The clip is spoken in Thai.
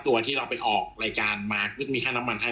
ตัวที่เราไปออกรายการมาก็จะมีค่าน้ำมันให้